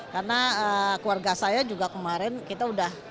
karena keluarga saya juga kemarin kita udah